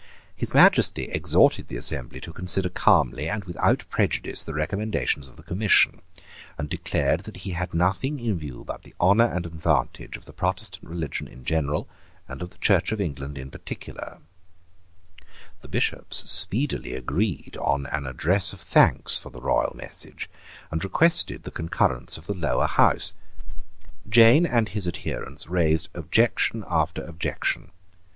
His Majesty exhorted the assembly to consider calmly and without prejudice the recommendations of the Commission, and declared that he had nothing in view but the honour and advantage of the Protestant religion in general, and of the Church of England in particular, The Bishops speedily agreed on an address of thanks for the royal message, and requested the concurrence of the Lower House. Jane and his adherents raised objection after objection.